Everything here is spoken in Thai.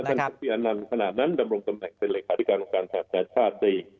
ใช่คุณโคฟฟิอันนั้นที่การพัฒนามนุษย์แสดงชาติ